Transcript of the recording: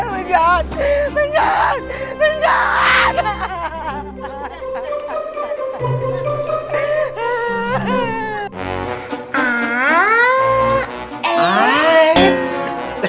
penjahat penjahat penjahat